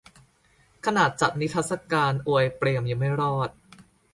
"ขนาดจัดนิทรรศการอวยเปรมยังไม่รอด"